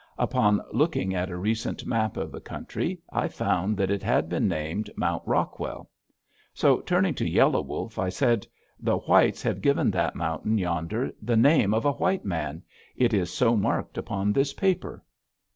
Upon looking at a recent map of the country I found that it had been named "Mount Rockwell." So, turning to Yellow Wolf, I said: "The whites have given that mountain yonder the name of a white man. It is so marked upon this paper."